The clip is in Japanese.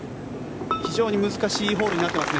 非常に難しいホールになっていますね。